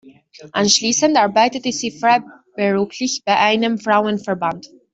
Anschließend arbeitete sie freiberuflich bei einem Frauenverband.